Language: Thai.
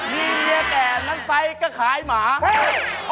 มีเมียแก่นั้นใสก็คลายหมาเฮ่ย